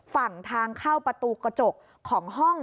ฝั่งทางเข้าประตูกระจกของห้อง